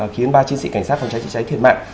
khiến ba chiến sĩ cảnh sát phòng cháy chữa cháy thiệt mạng